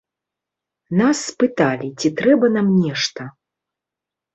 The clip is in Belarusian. Нас спыталі, ці трэба нам нешта.